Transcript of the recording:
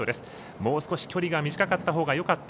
もう少し距離が短かったほうがよかった。